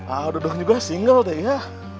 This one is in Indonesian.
aduh dong juga single teh iya